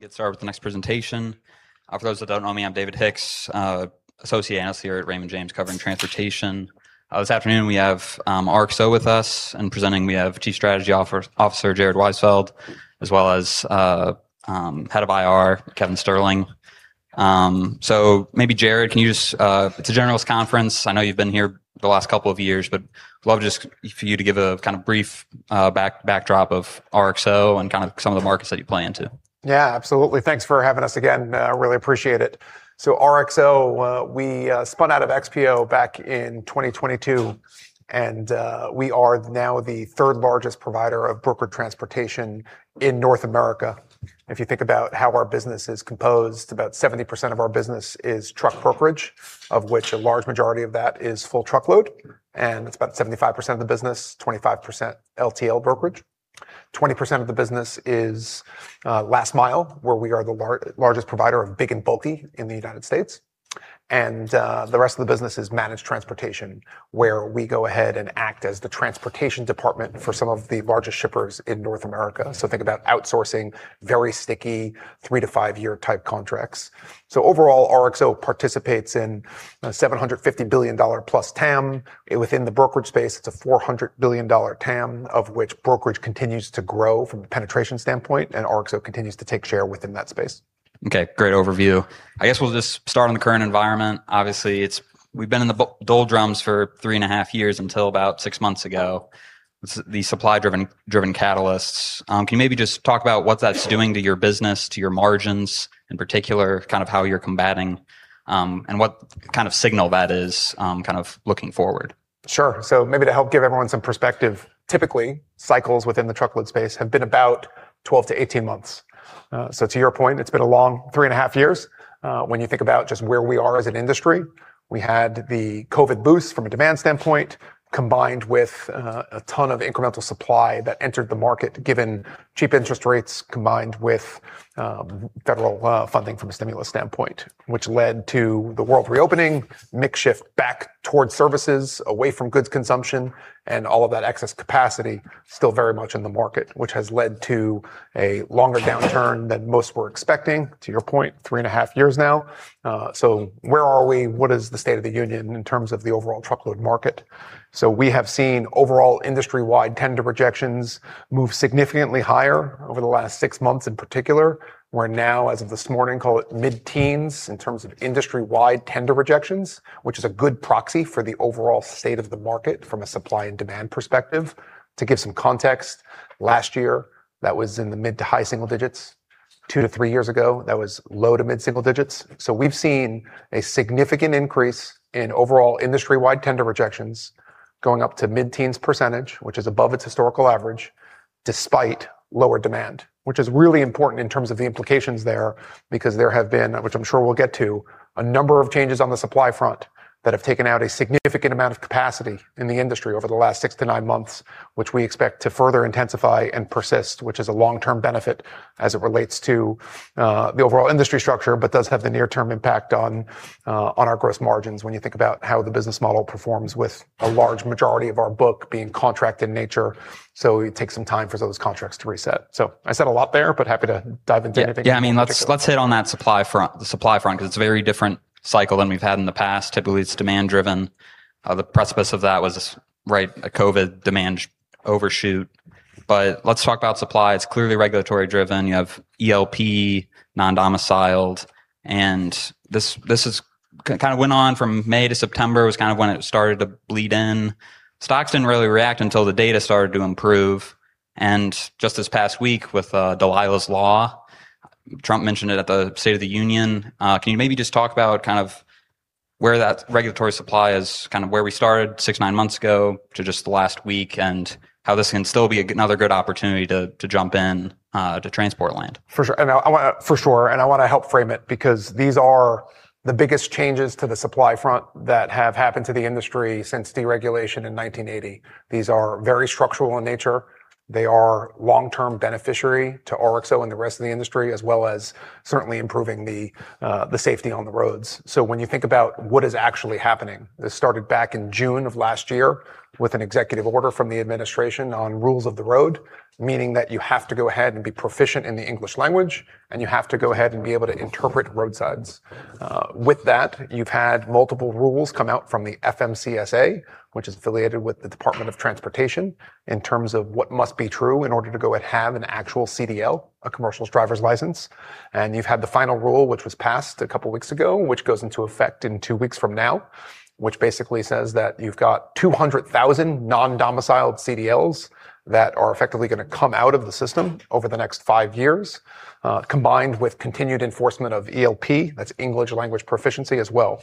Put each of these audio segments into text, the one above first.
Get started with the next presentation. For those that don't know me, I'm David Hicks, associate analyst here at Raymond James, covering transportation. This afternoon, we have RXO with us and presenting, we have Chief Strategy Officer, Jared Weisfeld, as well as Head of IR, Kevin Sterling. Maybe Jared, can you just, it's a generalist conference. I know you've been here the last couple of years, but love just for you to give a kind of brief backdrop of RXO and kind of some of the markets that you play into. Absolutely. Thanks for having us again. Really appreciate it. RXO, we spun out of XPO back in 2022, and we are now the third largest provider of broker transportation in North America. If you think about how our business is composed, about 70% of our business is truck brokerage, of which a large majority of that is full truckload, and it's about 75% of the business, 25% LTL brokerage. 20% of the business is last mile, where we are the largest provider of big and bulky in the United States. The rest of the business is managed transportation, where we go ahead and act as the transportation department for some of the largest shippers in North America. Think about outsourcing very sticky three to five year type contracts. Overall, RXO participates in a $750+ billion TAM. Within the brokerage space, it's a $400 billion TAM, of which brokerage continues to grow from a penetration standpoint. RXO continues to take share within that space. Okay. Great overview. I guess we'll just start on the current environment. Obviously, we've been in the doldrums for three and a half years until about six months ago. The supply driven catalysts. Can you maybe just talk about what that's doing to your business, to your margins, in particular, kind of how you're combating, and what kind of signal that is, kind of looking forward? Sure. Maybe to help give everyone some perspective, typically, cycles within the truckload space have been about 12 to 18 months. To your point, it's been a long three and a half years when you think about just where we are as an industry. We had the COVID boost from a demand standpoint, combined with a ton of incremental supply that entered the market, given cheap interest rates, combined with federal funding from a stimulus standpoint, which led to the world reopening, mix shift back towards services, away from goods consumption, and all of that excess capacity still very much in the market, which has led to a longer downturn than most were expecting, to your point, three and a half years now. Where are we? What is the State of the Union in terms of the overall truckload market? We have seen overall industry-wide tender rejections move significantly higher over the last six months in particular. We're now, as of this morning, call it mid-teens in terms of industry-wide tender rejections, which is a good proxy for the overall state of the market from a supply and demand perspective. To give some context, last year, that was in the mid to high single digits. Two to three years ago, that was low to mid single digits. We've seen a significant increase in overall industry-wide tender rejections going up to mid-teens percentage, which is above its historical average, despite lower demand, which is really important in terms of the implications there, because there have been, which I'm sure we'll get to, a number of changes on the supply front that have taken out a significant amount of capacity in the industry over the last six to nine months, which we expect to further intensify and persist, which is a long-term benefit as it relates to the overall industry structure, but does have the near-term impact on our gross margins when you think about how the business model performs with a large majority of our book being contract in nature, so it takes some time for those contracts to reset. I said a lot there, but happy to dive into anything in particular. Yeah. I mean, let's hit on that supply front, the supply front, 'cause it's a very different cycle than we've had in the past. Typically, it's demand driven. The precipice of that was, right, a COVID demand overshoot. Let's talk about supply. It's clearly regulatory driven. You have ELP, non-domiciled, and this is kind of went on from May to September was kind of when it started to bleed in. Stocks didn't really react until the data started to improve, and just this past week, with Dalilah Law, Trump mentioned it at the State of the Union. Can you maybe just talk about kind of where that regulatory supply is, kind of where we started six, nine months ago to just the last week, and how this can still be another good opportunity to jump in to transport land? For sure. I wanna help frame it because these are the biggest changes to the supply front that have happened to the industry since deregulation in 1980. These are very structural in nature. They are long-term beneficiary to RXO and the rest of the industry, as well as certainly improving the safety on the roads. When you think about what is actually happening, this started back in June of last year with an executive order from the administration on rules of the road, meaning that you have to go ahead and be proficient in the English Language, and you have to go ahead and be able to interpret roadsides. With that, you've had multiple rules come out from the FMCSA, which is affiliated with the Department of Transportation, in terms of what must be true in order to go and have an actual CDL, a commercial driver's license. You've had the final rule, which was passed a couple weeks ago, which goes into effect in two weeks from now, which basically says that you've got 200,000 non-domiciled CDLs that are effectively gonna come out of the system over the next five years, combined with continued enforcement of ELP, that's English language proficiency as well.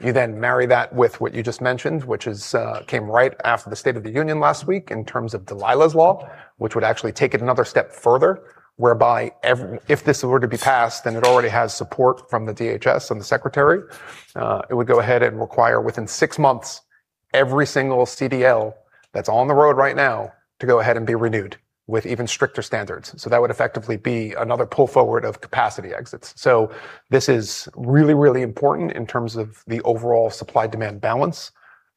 You marry that with what you just mentioned, which is, came right after the State of the Union last week in terms of Dalilah Law, which would actually take it another step further, whereby if this were to be passed, and it already has support from the DHS and the Secretary, it would go ahead and require within six months. Every single CDL that's on the road right now to go ahead and be renewed with even stricter standards. That would effectively be another pull forward of capacity exits. This is really, really important in terms of the overall supply-demand balance.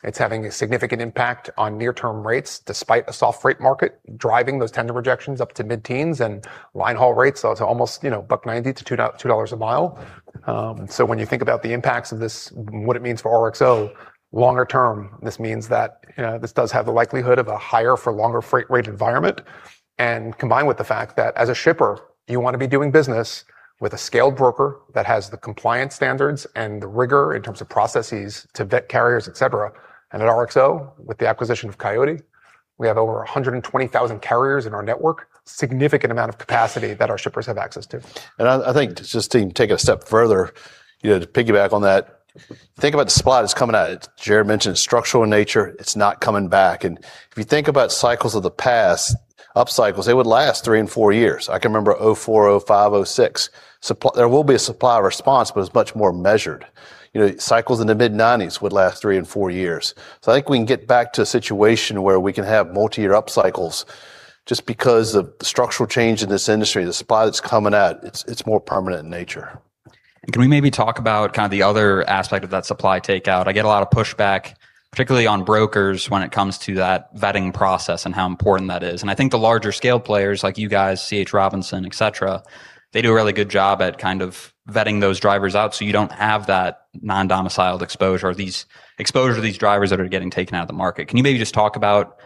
It's having a significant impact on near term rates despite a soft freight market, driving those tender rejections up to mid-teens and line-haul rates up to almost, you know, $1.90-$2.00 a mi. When you think about the impacts of this, what it means for RXO longer term, this means that, you know, this does have the likelihood of a higher for longer freight rate environment. Combined with the fact that as a shipper, you wanna be doing business with a scaled broker that has the compliance standards and the rigor in terms of processes to vet carriers, et cetera. At RXO, with the acquisition of Coyote, we have over 120,000 carriers in our network, a significant amount of capacity that our shippers have access to. I think just to take it a step further, you know, to piggyback on that, think about the spot it's coming at. As Jared mentioned, it's structural in nature, it's not coming back. If you think about cycles of the past, up cycles, they would last three and four years. I can remember 2004, 2005, 2006. There will be a supply response, but it's much more measured. You know, cycles in the mid-90s would last three and four years. I think we can get back to a situation where we can have multi-year up cycles just because of the structural change in this industry, the spot it's coming at, it's more permanent in nature. Can we maybe talk about the other aspect of that supply takeout? I get a lot of pushback, particularly on brokers when it comes to that vetting process and how important that is. I think the larger scale players like you guys, C.H. Robinson, et cetera, they do a really good job at vetting those drivers out, so you don't have that non-domiciled exposure or these exposure to these drivers that are getting taken out of the market. Can you maybe just talk about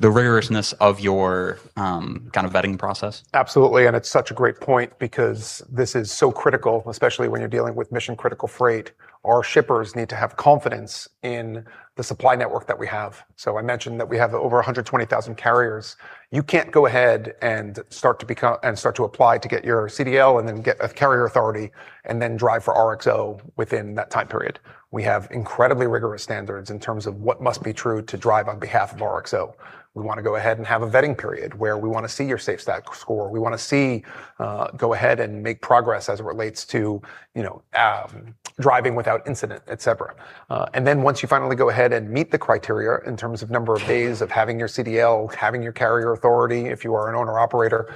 the rigorousness of your vetting process? Absolutely, it's such a great point because this is so critical, especially when you're dealing with mission-critical freight. Our shippers need to have confidence in the supply network that we have. I mentioned that we have over 120,000 carriers. You can't go ahead and start to apply to get your CDL and then get a carrier authority and then drive for RXO within that time period. We have incredibly rigorous standards in terms of what must be true to drive on behalf of RXO. We wanna go ahead and have a vetting period where we wanna see your SafeStat score. We wanna see, go ahead and make progress as it relates to, you know, driving without incident, et cetera. Once you finally go ahead and meet the criteria in terms of number of days of having your CDL, having your carrier authority, if you are an owner-operator,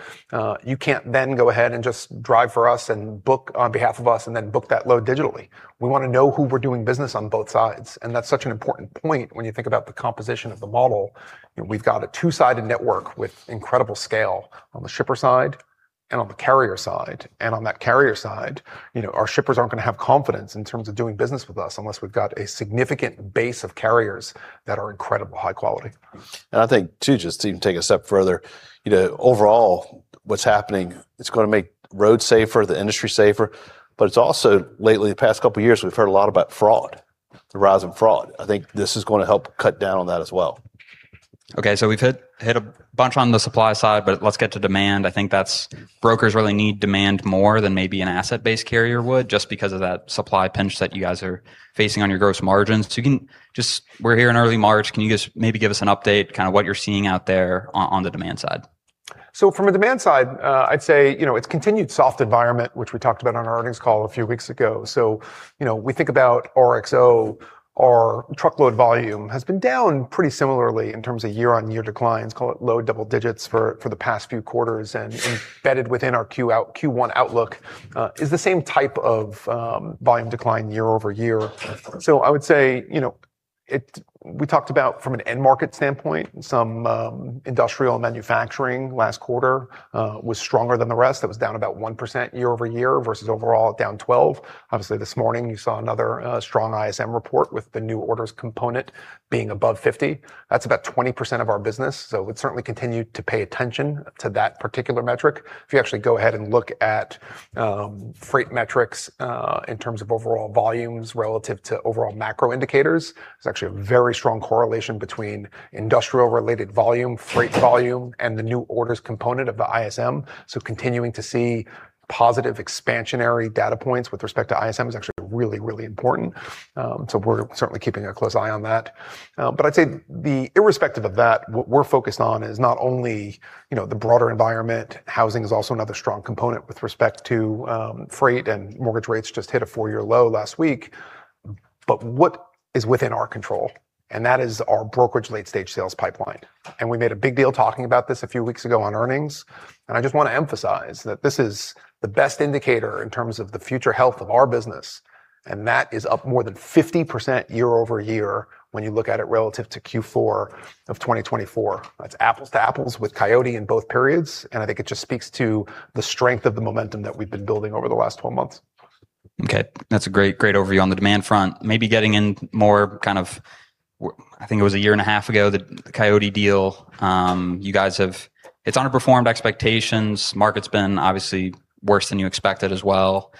you can't then go ahead and just drive for us and book on behalf of us and then book that load digitally. We wanna know who we're doing business on both sides, and that's such an important point when you think about the composition of the model. You know, we've got a two-sided network with incredible scale on the shipper side and on the carrier side. On that carrier side, you know, our shippers aren't gonna have confidence in terms of doing business with us unless we've got a significant base of carriers that are incredible high quality. I think too, just to even take it a step further, you know, overall what's happening, it's gonna make roads safer, the industry safer, but it's also lately, the past couple of years, we've heard a lot about fraud, the rise in fraud. I think this is gonna help cut down on that as well. Okay. We've hit a bunch on the supply side. Let's get to demand. I think that's brokers really need demand more than maybe an asset-based carrier would, just because of that supply pinch that you guys are facing on your gross margins. We're here in early March, can you just maybe give us an update, kind of what you're seeing out there on the demand side? From a demand side, you know, it's continued soft environment, which we talked about on our earnings call a few weeks ago. You know, we think about RXO, our truckload volume has been down pretty similarly in terms of year-on-year declines, call it low double digits for the past few quarters, and embedded within our Q1 outlook is the same type of volume decline year-over-year. I would say, you know, we talked about from an end market standpoint, some industrial and manufacturing last quarter was stronger than the rest. That was down about 1% year-over-year versus overall down 12. Obviously, this morning you saw another strong ISM report with the new orders component being above 50. That's about 20% of our business. We'll certainly continue to pay attention to that particular metric. If you actually go ahead and look at freight metrics in terms of overall volumes relative to overall macro indicators, there's actually a very strong correlation between industrial-related volume, freight volume, and the new orders component of the ISM. Continuing to see positive expansionary data points with respect to ISM is actually really, really important. We're certainly keeping a close eye on that. I'd say the irrespective of that, what we're focused on is not only, you know, the broader environment, housing is also another strong component with respect to freight and mortgage rates just hit a four-year low last week. What is within our control, and that is our brokerage late stage sales pipeline. We made a big deal talking about this a few weeks ago on earnings, and I just wanna emphasize that this is the best indicator in terms of the future health of our business, and that is up more than 50% year-over-year when you look at it relative to Q4 of 2024. That's apples to apples with Coyote in both periods, and I think it just speaks to the strength of the momentum that we've been building over the last 12 months. That's a great overview on the demand front. Getting in more kind of, I think it was 1.5 years ago, the Coyote deal, it's underperformed expectations. Market's been obviously worse than you expected as well.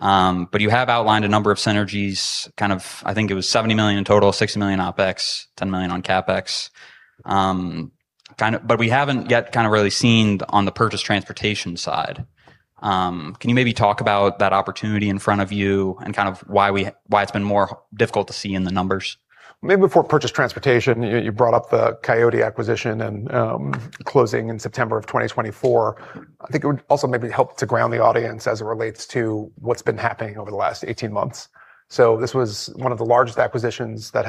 You have outlined a number of synergies, kind of I think it was $70 million in total, $60 million OpEx, $10 million on CapEx. Kind of we haven't yet kind of really seen on the purchased transportation side. Can you maybe talk about that opportunity in front of you and kind of why it's been more difficult to see in the numbers? Maybe before purchase transportation, you brought up the Coyote acquisition and closing in September of 2024. I think it would also maybe help to ground the audience, as it relates to what's been happening over the last 18 months. This was one of the largest acquisitions that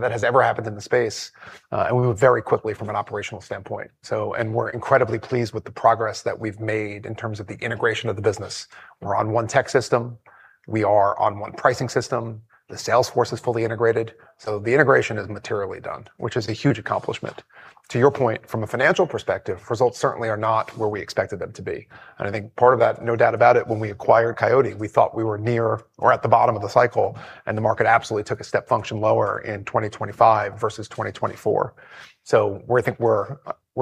has ever happened in the space, and we moved very quickly from an operational standpoint. We're incredibly pleased with the progress that we've made in terms of the integration of the business. We're on one tech system, we are on one pricing system, the sales force is fully integrated. The integration is materially done, which is a huge accomplishment. To your point, from a financial perspective, results certainly are not where we expected them to be. I think part of that, no doubt about it, when we acquired Coyote, we thought we were near or at the bottom of the cycle, and the market absolutely took a step function lower in 2025 versus 2024. We think we're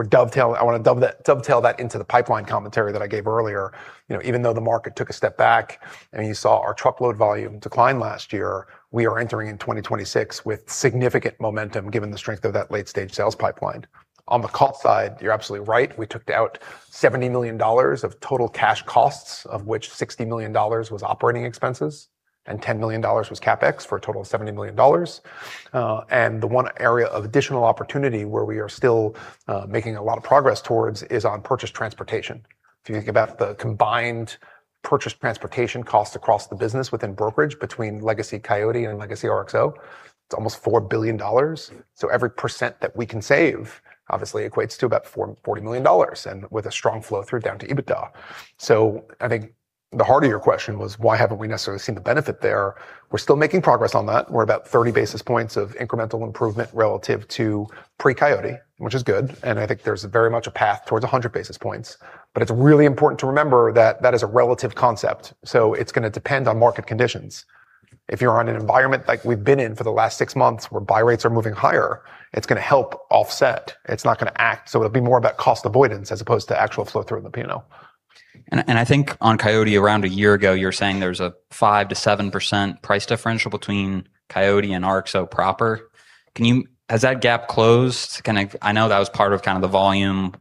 dovetailing. I wanna dovetail that into the pipeline commentary that I gave earlier. You know, even though the market took a step back, and you saw our truckload volume decline last year, we are entering in 2026 with significant momentum given the strength of that late-stage sales pipeline. On the cost side, you're absolutely right. We took out $70 million of total cash costs, of which $60 million was operating expenses, and $10 million was CapEx, for a total of $70 million. The one area of additional opportunity where we are still making a lot of progress towards is on purchased transportation. If you think about the combined purchased transportation cost across the business within brokerage between legacy Coyote and legacy RXO, it's almost $4 billion. Every percent that we can save obviously equates to about $40 million, and with a strong flow-through down to EBITDA. I think the heart of your question was why haven't we necessarily seen the benefit there? We're still making progress on that. We're about 30 basis points of incremental improvement relative to pre-Coyote, which is good, and I think there's very much a path towards 100 basis points. It's really important to remember that that is a relative concept, so it's gonna depend on market conditions. If you're on an environment like we've been in for the last six months where buy rates are moving higher, it's gonna help offset. It's not gonna act. It'll be more about cost avoidance as opposed to actual flow through in the P&L. I think on Coyote around a year ago, you were saying there was a 5%-7% price differential between Coyote and RXO proper. Has that gap closed? I know that was part of kind of the volume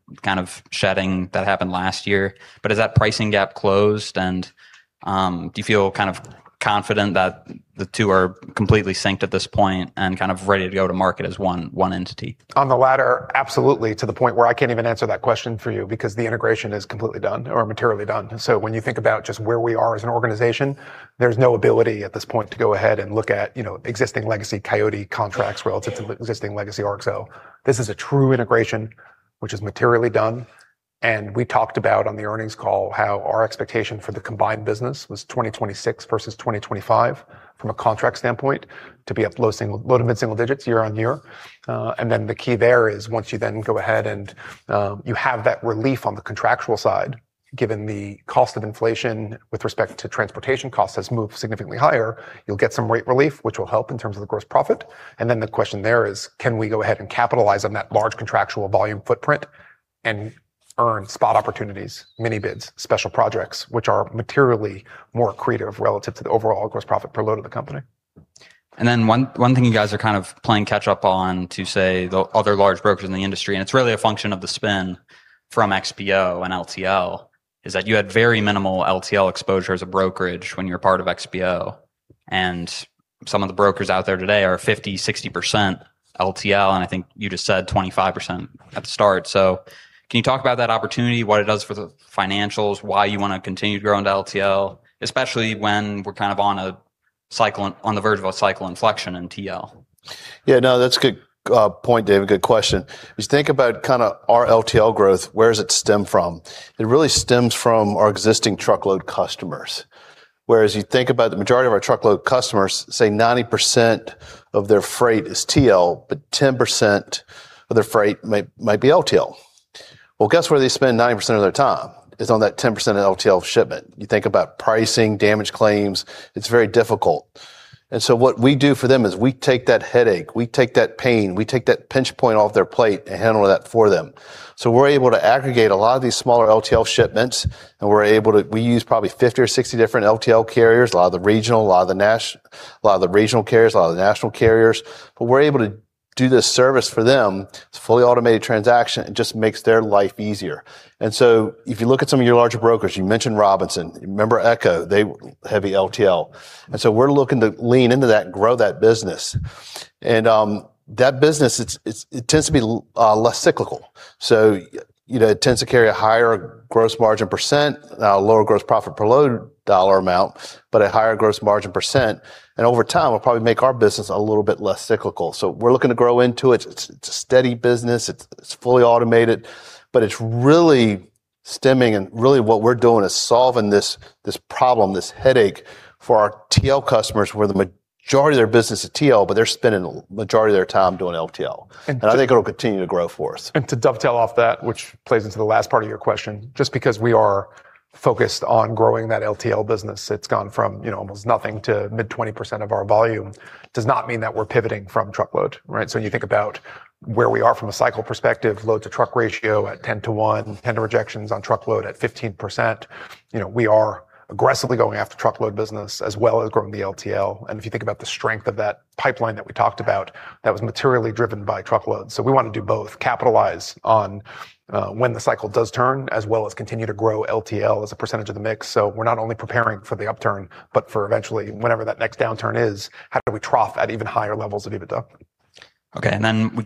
shedding that happened last year, but has that pricing gap closed? Do you feel kind of confident that the two are completely synced at this point and kind of ready to go to market as one entity? On the latter, absolutely, to the point where I can't even answer that question for you because the integration is completely done or materially done. When you think about just where we are as an organization, there's no ability at this point to go ahead and look at, you know, existing legacy Coyote contracts relative to existing legacy RXO. This is a true integration, which is materially done. We talked about on the earnings call how our expectation for the combined business was 2026 versus 2025 from a contract standpoint to be up low to mid single digits year-on-year. The key there is once you then go ahead and, you have that relief on the contractual side, given the cost of inflation with respect to transportation costs has moved significantly higher, you'll get some rate relief, which will help in terms of the gross profit. The question there is: Can we go ahead and capitalize on that large contractual volume footprint and earn spot opportunities, mini-bids, special projects, which are materially more accretive relative to the overall gross profit per load of the company? One thing you guys are kind of playing catch up on to, say, the other large brokers in the industry, and it's really a function of the spin from XPO and LTL, is that you had very minimal LTL exposure as a brokerage when you were part of XPO, and some of the brokers out there today are 50%, 60% LTL, and I think you just said 25% at the start. Can you talk about that opportunity, what it does for the financials, why you wanna continue to grow into LTL, especially when we're kind of on the verge of a cycle inflection in TL? Yeah, no, that's a good point, Dave. A good question. As you think about kinda our LTL growth, where does it stem from? It really stems from our existing truckload customers. Whereas you think about the majority of our truckload customers, say 90% of their freight is TL, but 10% of their freight might be LTL. Well, guess where they spend 90% of their time? Is on that 10% of LTL shipment. You think about pricing, damage claims, it's very difficult. What we do for them is we take that headache, we take that pain, we take that pinch point off their plate and handle that for them. We're able to aggregate a lot of these smaller LTL shipments, we use probably 50 or 60 different LTL carriers, a lot of the regional carriers, a lot of the national carriers, but we're able to do this service for them. It's a fully automated transaction. It just makes their life easier. If you look at some of your larger brokers, you mentioned Robinson, remember Echo, they heavy LTL. We're looking to lean into that and grow that business. That business it's less cyclical. You know, it tends to carry a higher gross margin percent, lower gross profit per load dollar amount, but a higher gross margin percent. Over time, it'll probably make our business a little bit less cyclical. We're looking to grow into it. It's a steady business. It's fully automated, but it's really stemming, and really what we're doing is solving this problem, this headache for our TL customers, where the majority of their business is TL, but they're spending the majority of their time doing LTL. I think it'll continue to grow for us. To dovetail off that, which plays into the last part of your question, just because we are focused on growing that LTL business, it's gone from, you know, almost nothing to mid 20% of our volume, does not mean that we're pivoting from truckload, right? When you think about where we are from a cycle perspective, load-to-truck ratio at 10:1, tender rejections on truckload at 15%, you know, we are aggressively going after truckload business as well as growing the LTL. If you think about the strength of that pipeline that we talked about, that was materially driven by truckload. We wanna do both, capitalize on, when the cycle does turn, as well as continue to grow LTL as a percentage of the mix. We're not only preparing for the upturn, but for eventually, whenever that next downturn is, how do we trough at even higher levels of EBITDA? Okay.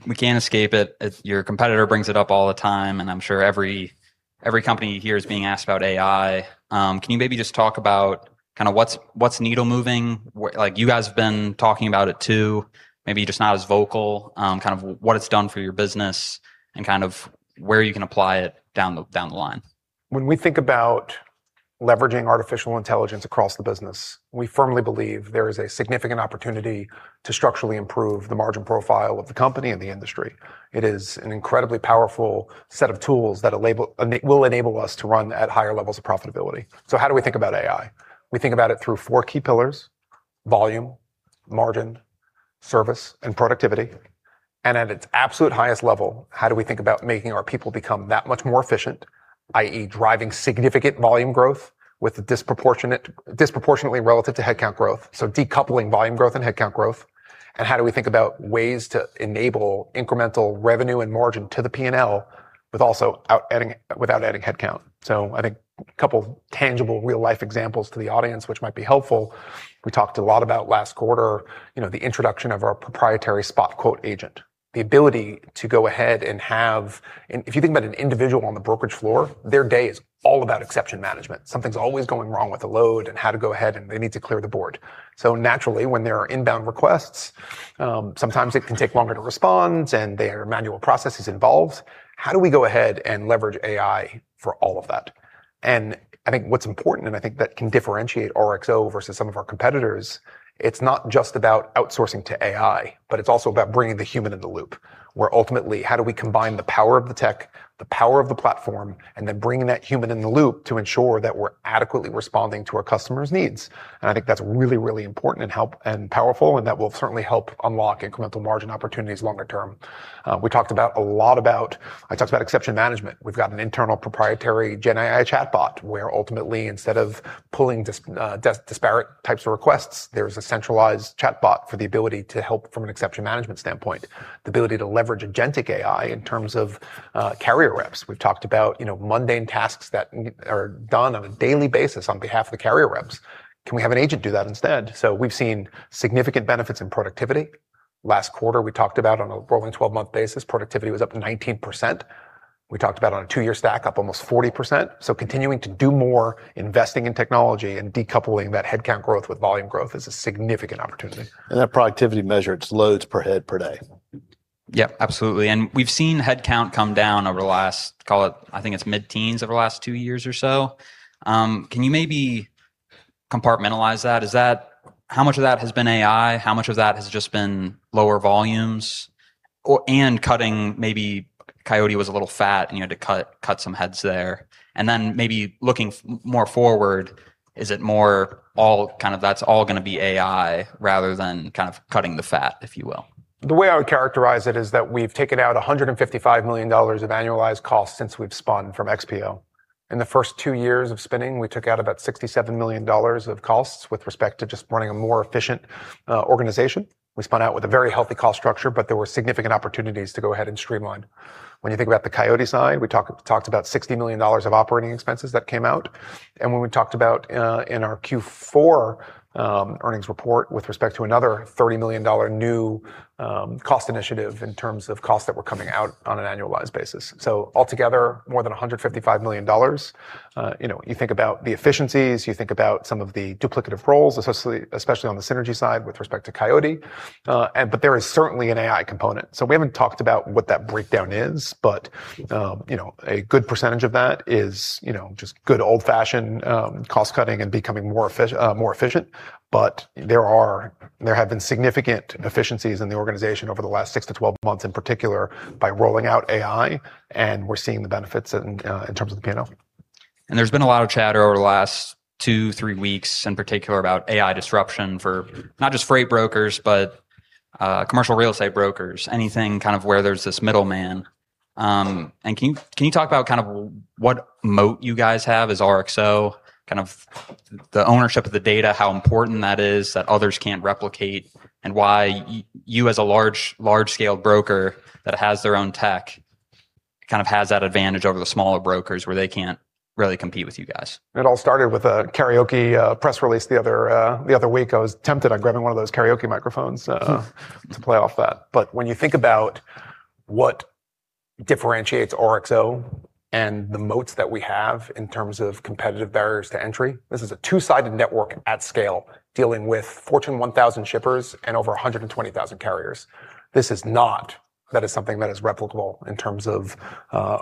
We can't escape it. If your competitor brings it up all the time, and I'm sure every company here is being asked about AI. Can you maybe just talk about kind of what's needle moving? like you guys have been talking about it too, maybe just not as vocal, kind of what it's done for your business and kind of where you can apply it down the line. When we think about leveraging artificial intelligence across the business, we firmly believe there is a significant opportunity to structurally improve the margin profile of the company and the industry. It is an incredibly powerful set of tools that will enable us to run at higher levels of profitability. How do we think about AI? We think about it through four key pillars: volume, margin, service, and productivity. At its absolute highest level, how do we think about making our people become that much more efficient, i.e., driving significant volume growth with disproportionately relative to headcount growth, so decoupling volume growth and headcount growth? How do we think about ways to enable incremental revenue and margin to the P&L, but also without adding headcount? I think a couple tangible real-life examples to the audience which might be helpful, we talked a lot about last quarter, you know, the introduction of our proprietary spot quote agent. If you think about an individual on the brokerage floor, their day is all about exception management. Something's always going wrong with a load and how to go ahead, and they need to clear the board. Naturally, when there are inbound requests, sometimes it can take longer to respond, and there are manual processes involved. How do we go ahead and leverage AI for all of that? I think what's important, I think that can differentiate RXO versus some of our competitors, it's not just about outsourcing to AI, but it's also about bringing the human in the loop, where ultimately how do we combine the power of the tech, the power of the platform, and then bringing that human in the loop to ensure that we're adequately responding to our customers' needs. I think that's really important and powerful, and that will certainly help unlock incremental margin opportunities longer term. I talked about exception management. We've got an internal proprietary GenAI chatbot, where ultimately instead of pulling disparate types of requests, there's a centralized chatbot for the ability to help from an exception management standpoint, the ability to leverage agentic AI in terms of carrier reps. We've talked about, you know, mundane tasks that are done on a daily basis on behalf of the carrier reps. Can we have an agent do that instead? We've seen significant benefits in productivity. Last quarter, we talked about on a rolling 12-month basis, productivity was up 19%. We talked about on a two-year stack up almost 40%. Continuing to do more investing in technology and decoupling that headcount growth with volume growth is a significant opportunity. That productivity measure it's loads per head per day. Yep, absolutely. We've seen headcount come down over the last, call it, I think it's mid-teens over the last two years or so. Can you maybe compartmentalize that? How much of that has been AI? How much of that has just been lower volumes and cutting, maybe Coyote was a little fat and you had to cut some heads there? Then ,looking more forward, is it more all kind of that's all gonna be AI rather than kind of cutting the fat, if you will? The way I would characterize it is that we've taken out $155 million of annualized costs since we've spun from XPO. In the first two years of spinning, we took out about $67 million of costs with respect to just running a more efficient organization. We spun out with a very healthy cost structure, there were significant opportunities to go ahead and streamline. When you think about the Coyote side, we talked about $60 million of operating expenses that came out. When we talked about in our Q4 earnings report with respect to another $30 million new cost initiative in terms of costs that were coming out on an annualized basis. Altogether, more than $155 million. You know, you think about the efficiencies, you think about some of the duplicative roles, especially on the synergy side with respect to Coyote. There is certainly an AI component. We haven't talked about what that breakdown is, but, you know, a good percentage of that is, you know, just good old-fashioned, cost-cutting and becoming more efficient. There have been significant efficiencies in the organization over the last six to 12 months, in particular by rolling out AI, and we're seeing the benefits in terms of the P&L. There's been a lot of chatter over the last two, three weeks in particular about AI disruption for not just freight brokers, but commercial real estate brokers, anything kind of where there's this middleman. Can you talk about kind of what moat you guys have as RXO, kind of the ownership of the data, how important that is that others can't replicate, and why you as a large-scale broker that has their own tech kind of has that advantage over the smaller brokers where they can't really compete with you guys? It all started with a karaoke press release the other the other week. I was tempted on grabbing one of those karaoke microphones to play off that. When you think about what differentiates RXO and the moats that we have in terms of competitive barriers to entry, this is a two-sided network at scale dealing with Fortune 1000 shippers and over 120,000 carriers. This is not that is something that is replicable in terms of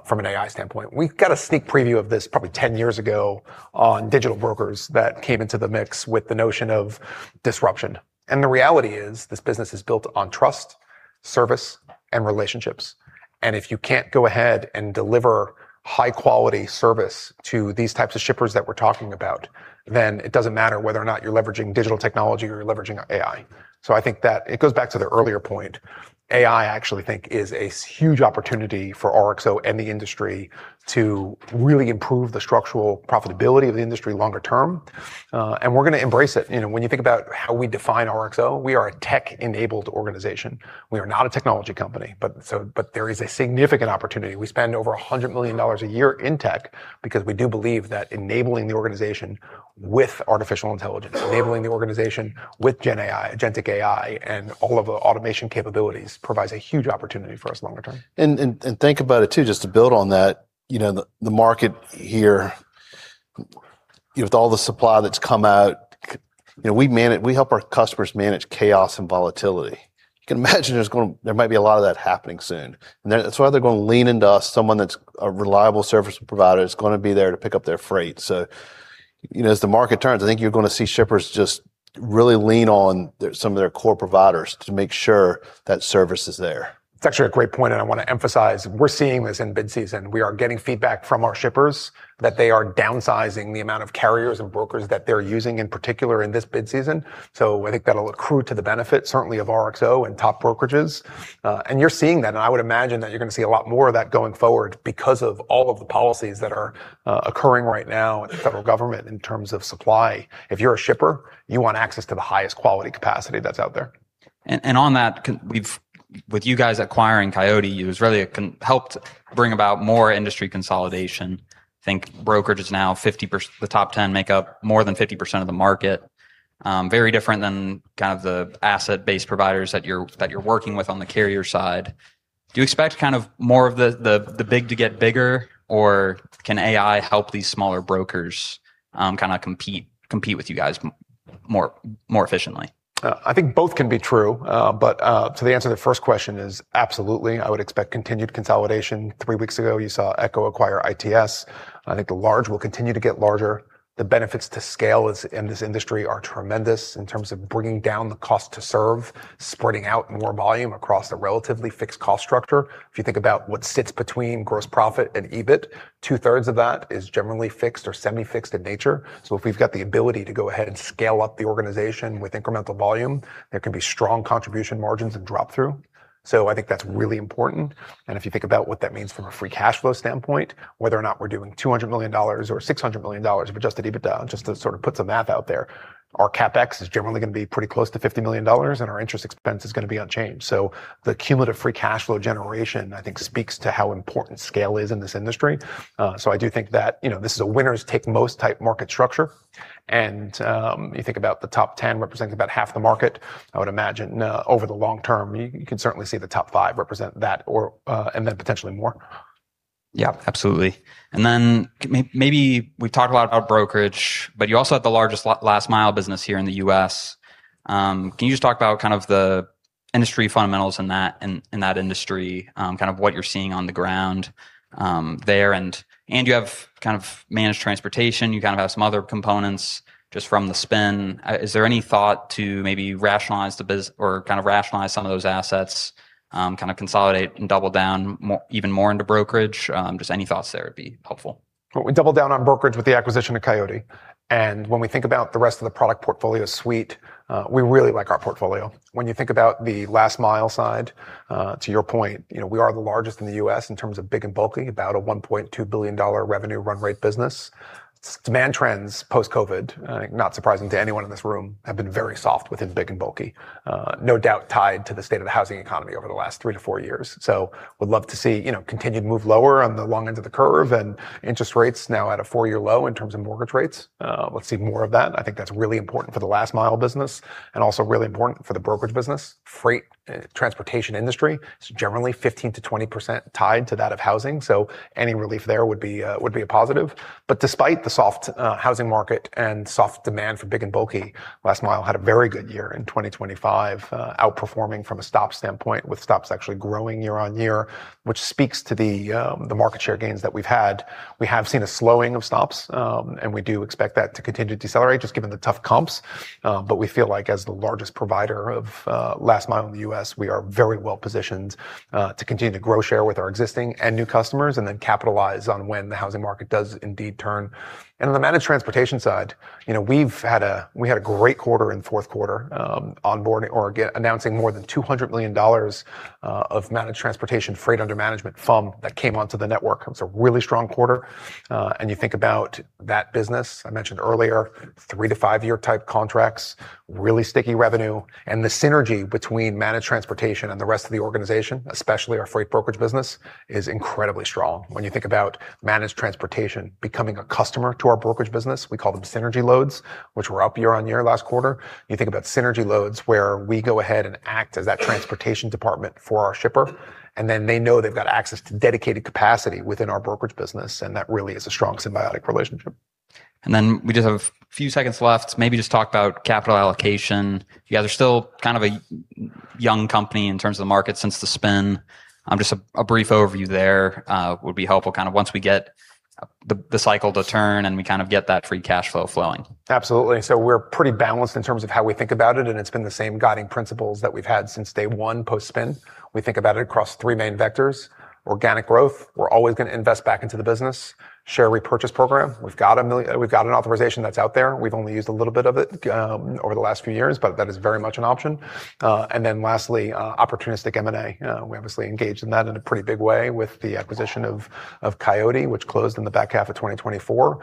from an AI standpoint. We got a sneak preview of this probably 10 years ago on digital brokers that came into the mix with the notion of disruption. The reality is this business is built on trust, service, and relationships. If you can't go ahead and deliver high-quality service to these types of shippers that we're talking about, then it doesn't matter whether or not you're leveraging digital technology or you're leveraging AI. I think that it goes back to the earlier point. AI, I actually think, is a huge opportunity for RXO and the industry to really improve the structural profitability of the industry longer term. We're gonna embrace it. You know, when you think about how we define RXO, we are a tech-enabled organization. We are not a technology company, but there is a significant opportunity. We spend over $100 million a year in tech because we do believe that enabling the organization with artificial intelligence, enabling the organization with GenAI, agentic AI, and all of the automation capabilities provides a huge opportunity for us longer term. Think about it too, just to build on that. You know, the market here, with all the supply that's come out, you know, we help our customers manage chaos and volatility. You can imagine there might be a lot of that happening soon. That's why they're gonna lean into someone that's a reliable service provider that's gonna be there to pick up their freight. You know, as the market turns, I think you're gonna see shippers just really lean on some of their core providers to make sure that service is there. That's actually a great point. I wanna emphasize we're seeing this in bid season. We are getting feedback from our shippers that they are downsizing the amount of carriers and brokers that they're using, in particular in this bid season. I think that'll accrue to the benefit, certainly of RXO and top brokerages. You're seeing that, and I would imagine that you're gonna see a lot more of that going forward because of all of the policies that are occurring right now in the federal government in terms of supply. If you're a shipper, you want access to the highest quality capacity that's out there. On that with you guys acquiring Coyote, it really helped bring about more industry consolidation. I think brokerage is now 50% the top 10 make up more than 50% of the market. Very different than kind of the asset-based providers that you're working with on the carrier side. Do you expect kind of more of the big to get bigger, or can AI help these smaller brokers compete with you guys more efficiently? I think both can be true. To the answer to the first question is absolutely, I would expect continued consolidation. Three weeks ago, you saw Echo acquire ITS. I think the large will continue to get larger. The benefits to scale in this industry are tremendous in terms of bringing down the cost to serve, spreading out more volume across a relatively fixed cost structure. If you think about what sits between gross profit and EBIT, two-thirds of that is generally fixed or semi-fixed in nature. If we've got the ability to go ahead and scale up the organization with incremental volume, there can be strong contribution margins and drop-through. I think that's really important, and if you think about what that means from a free cash flow standpoint, whether or not we're doing $200 million or $600 million, if adjusted EBITDA, just to sort of put some math out there, our CapEx is generally gonna be pretty close to $50 million, and our interest expense is gonna be unchanged. The cumulative free cash flow generation, I think speaks to how important scale is in this industry. I do think that, you know, this is a winner take most type market structure, and, you think about the top 10 representing about half the market. I would imagine, over the long term, you could certainly see the top five represent that or, and then potentially more. Yeah, absolutely. maybe we talk a lot about brokerage, but you also have the largest last mile business here in the U.S. Can you just talk about kind of the industry fundamentals in that industry, kind of what you're seeing on the ground there? You have kind of managed transportation. You kind of have some other components just from the spin. Is there any thought to maybe rationalize or kind of rationalize some of those assets, kind of consolidate and double down more, even more into brokerage? Just any thoughts there would be helpful. Well, we doubled down on brokerage with the acquisition of Coyote. When we think about the rest of the product portfolio suite, we really like our portfolio. When you think about the last mile side, to your point, you know, we are the largest in the U.S. in terms of big and bulky, about a $1.2 billion revenue run rate business. Demand trends post COVID, not surprising to anyone in this room, have been very soft within big and bulky, no doubt tied to the state of the housing economy over the last three to four years. Would love to see, you know, continue to move lower on the long end of the curve, and interest rates now at a four-year low in terms of mortgage rates. Let's see more of that. I think that's really important for the last-mile business and also really important for the brokerage business. Freight transportation industry is generally 15%-20% tied to that of housing, so any relief there would be a positive. Despite the soft, housing market and soft demand for big and bulky, last mile had a very good year in 2025, outperforming from a stop standpoint with stops actually growing year-over-year, which speaks to the market share gains that we've had. We have seen a slowing of stops, and we do expect that to continue to decelerate just given the tough comps. But we feel like as the largest provider of last mile in the U.S., we are very well positioned to continue to grow share with our existing and new customers and then capitalize on when the housing market does indeed turn. On the managed transportation side, you know, we had a great quarter in the fourth quarter, onboarding or announcing more than $200 million of managed transportation Freight Under Management, FUM, that came onto the network. It was a really strong quarter. You think about that business, I mentioned earlier, three to five year type contracts, really sticky revenue, and the synergy between managed transportation and the rest of the organization, especially our freight brokerage business, is incredibly strong. When you think about managed transportation becoming a customer to our brokerage business, we call them synergy loads, which were up year-over-year last quarter. You think about synergy loads, where we go ahead and act as that transportation department for our shipper, and then they know they've got access to dedicated capacity within our brokerage business, and that really is a strong symbiotic relationship. We just have a few seconds left, maybe just talk about capital allocation. You guys are still kind of a young company in terms of the market since the spin. just a brief overview there, would be helpful kind of once we get the cycle to turn and we kind of get that free cash flow flowing. Absolutely. We're pretty balanced in terms of how we think about it, and it's been the same guiding principles that we've had since day 1 post-spin. We think about it across three main vectors. Organic growth, we're always gonna invest back into the business. Share repurchase program. We've got an authorization that's out there. We've only used a little bit of it, over the last few years, but that is very much an option. Lastly, opportunistic M&A. We obviously engaged in that in a pretty big way with the acquisition of Coyote, which closed in the back half of 2024.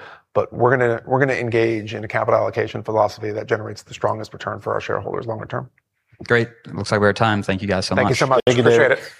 We're gonna engage in a capital allocation philosophy that generates the strongest return for our shareholders longer term. Great. It looks like we're at time. Thank you guys so much. Thank you so much. Thank you. Appreciate it.